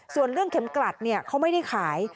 ส่วนเรื่องเข็มกลัดเขาไม่ได้ขาย